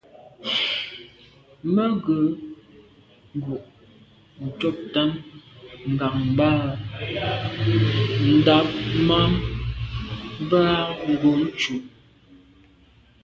Mə ghʉ̌ ngǔ’ ncobtαn ŋammbαhα. Ndὰb mαm bə α̂ Ngǒnncò.